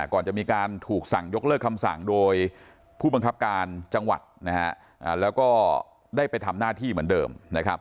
ก่อนจะมีการถูกสั่งยกเลิกคำสั่งโดยผู้บังคับการจังหวัดนะฮะแล้วก็ได้ไปทำหน้าที่เหมือนเดิมนะครับ